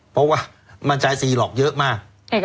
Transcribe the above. เพราะมันจ่ายซีหลอกเยอะมาก